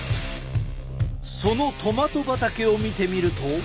そのトマト畑を見てみると。